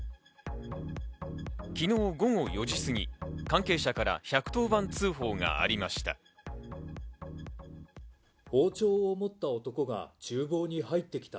昨日午後４時過ぎ、関係者から１１０番通報がありました。